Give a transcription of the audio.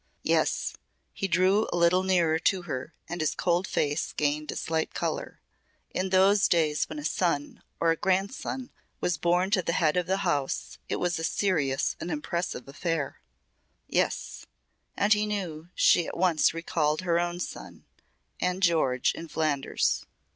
"Yes," he drew a little nearer to her and his cold face gained a slight colour. "In those days when a son or a grandson was born to the head of a house it was a serious and impressive affair." "Yes." And he knew she at once recalled her own son and George in Flanders.